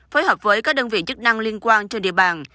phối hợp với các đơn vị chức năng liên quan trên địa bàn